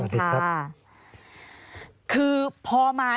มีความรู้สึกว่ามีความรู้สึกว่า